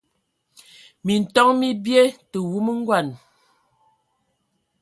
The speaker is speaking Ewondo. Minton mi bie, tə wumu ngɔn.